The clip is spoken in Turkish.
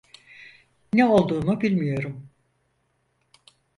Ne olduğumu bilmiyorum.